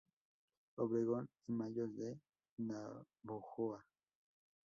Obregón y Mayos de Navojoa.